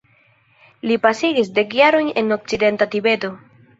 Li pasigis dek jarojn en Okcidenta Tibeto.